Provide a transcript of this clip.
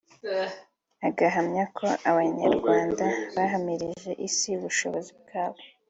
agahamya ko Abanyarwanda bahamirije Isi ubushobozi bwabo